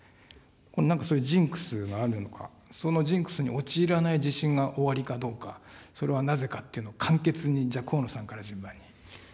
なんかジンクスがあるのか、そのジンクスに陥らない自信がおありかどうか、それはなぜかっていうのを、簡潔に、河野さんから順番に。